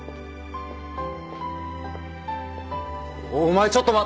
お前ちょっと待。